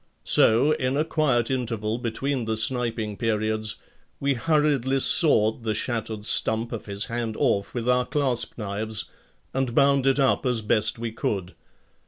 So, in a quiet interval between the sniping periods we hurriedly sawed the shattered stump of his hand off with our clasp knives and bound it up as best we could.